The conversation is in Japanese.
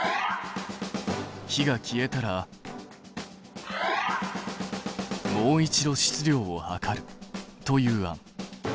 火が消えたらもう一度質量を量るという案。